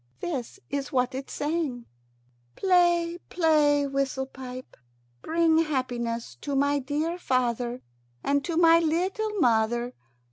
This is what it sang: "Play, play, whistle pipe. Bring happiness to my dear father and to my little mother.